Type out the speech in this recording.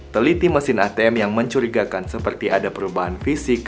teliti mesin atm yang mencurigakan seperti ada perubahan fisik